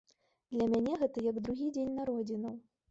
Для мяне гэта як другі дзень народзінаў.